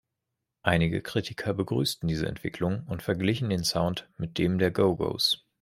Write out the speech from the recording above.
Einige Kritiker begrüßten diese Entwicklung und verglichen den Sound mit dem der Go-Go’s.